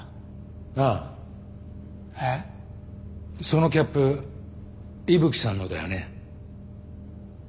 そのキャップ伊吹さんのだよね。